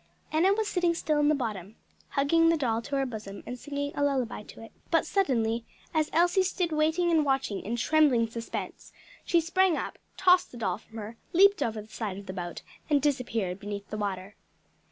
Enna was sitting still in the bottom, hugging the doll to her bosom and singing a lullaby to it; but suddenly as Elsie stood waiting and watching in trembling suspense, she sprang up, tossed the doll from her, leaped over the side of the boat, and disappeared beneath the water.